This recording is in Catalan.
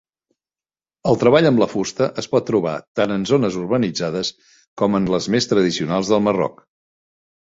El treball amb la fusta es pot trobar tant en zones urbanitzades com en les més tradicionals del Marroc.